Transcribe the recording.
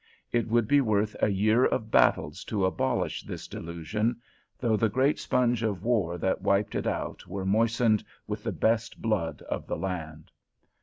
It would be worth a year of battles to abolish this delusion, though the great sponge of war that wiped it out were moistened with the best blood of the land.